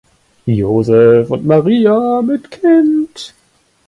Josef und Maria mit Kind.